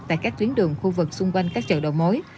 tại các tuyến đường khu vực xung quanh các chợ đầu mối